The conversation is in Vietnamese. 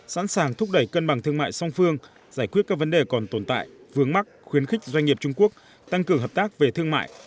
sẵn sàng thúc đẩy cân bằng thương mại song phương giải quyết các vấn đề còn tồn tại vướng mắc khuyến khích doanh nghiệp trung quốc tăng cường hợp tác về thương mại